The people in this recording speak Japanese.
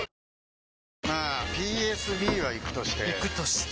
まあＰＳＢはイクとしてイクとして？